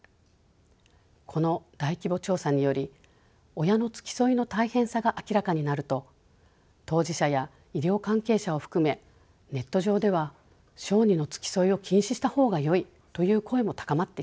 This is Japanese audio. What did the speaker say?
この大規模調査により親の付き添いの大変さが明らかになると当事者や医療関係者を含めネット上では小児の付き添いを禁止した方がよいという声も高まってきています。